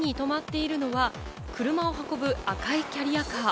高速道路の脇に止まっているのは車を運ぶ赤いキャリアカー。